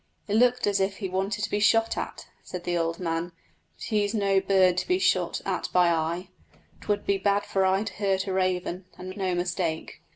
"It looked as if he wanted to be shot at," said the old man, "but he's no bird to be shot at by I. 'Twould be bad for I to hurt a raven, and no mistake."